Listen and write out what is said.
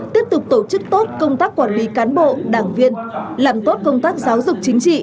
tiếp tục tổ chức tốt công tác quản lý cán bộ đảng viên làm tốt công tác giáo dục chính trị